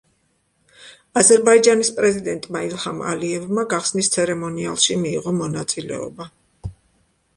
აზერბაიჯანის პრეზიდენტმა ილჰამ ალიევმა, გახსნის ცერემონიალში მიიღო მონაწილეობა.